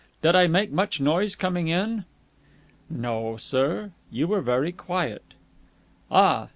Did I make much noise coming in?" "No, sir. You were very quiet." "Ah!